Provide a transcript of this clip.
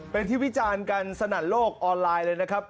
เป็นที่วิจารณ์กันสนั่นโลกออนไลน์เลยนะครับ